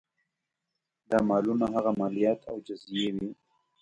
دا مالونه هغه مالیات او جزیې وې.